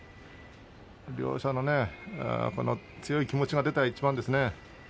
両者の強い気持ちが出た一番ですね。